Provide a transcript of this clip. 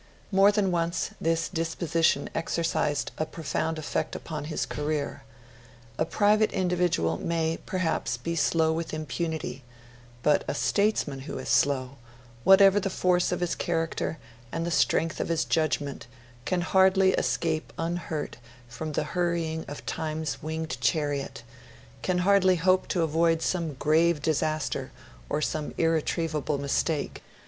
More than once this disposition exercised a profound effect upon his career. A private individual may, perhaps, be slow with impunity; but a statesman who is slow whatever the force of his character and the strength of his judgment can hardly escape unhurt from the hurrying of Time's winged chariot, can hardly hope to avoid some grave disaster or some irretrievable mistake.